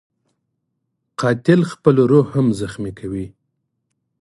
قاتل خپله روح هم زخمي کوي